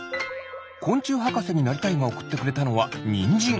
こんちゅうはかせになりたいがおくってくれたのはニンジン。